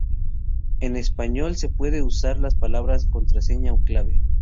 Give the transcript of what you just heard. En español, se pueden usar las palabras "contraseña" o "clave".